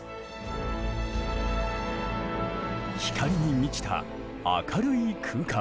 光に満ちた明るい空間。